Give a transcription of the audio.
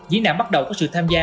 dĩ nạn bắt đầu có sự tham gia